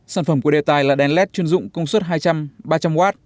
sản phẩm của đề tài là đèn led chuyên dụng công suất hai trăm linh ba trăm linh w